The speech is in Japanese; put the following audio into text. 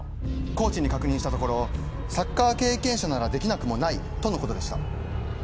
コーチに確認したところ「サッカー経験者ならできなくもない」とのことでした。